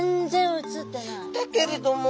だけれども。